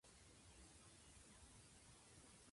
天子の威光と恩恵が四方八方に広くゆきわたること。